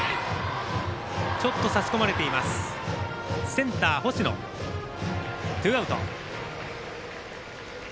センター、星野、ツーアウト。